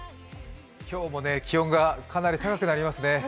今日も気温がかなり高くなりますね。